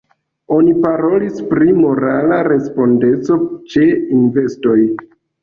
Oni parolis pri morala respondeco ĉe investoj.